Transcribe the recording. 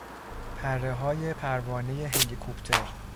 پرههای پروانهی هلیکوپتر